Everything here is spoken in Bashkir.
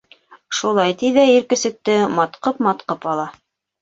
Шулай ти ҙә ир көсөктө матҡып-матҡып ала.